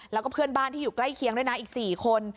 แล้วก็เพื่อนบ้านที่อยู่ใกล้เคียงด้วยนะอีก๔คน